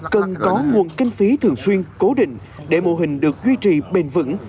cần có nguồn kinh phí thường xuyên cố định để mô hình được duy trì bền vững